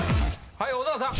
はい小沢さん。